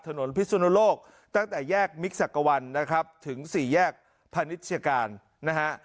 พิสุนโลกตั้งแต่แยกมิกสักกะวันนะครับถึงสี่แยกพนิชการนะฮะ